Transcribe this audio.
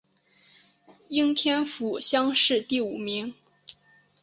应天府乡试第五名。